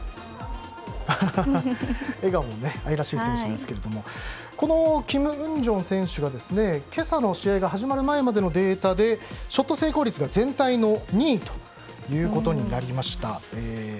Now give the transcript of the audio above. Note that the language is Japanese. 笑顔も愛らしい選手ですがこのキム・ウンジョン選手が今朝の試合が始まる前までのデータでショット成功率が全体２位となりました。